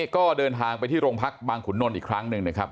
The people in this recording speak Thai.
ก็เดินทางไปที่โรงพักบางขุนนลอีกครั้งหนึ่งนะครับ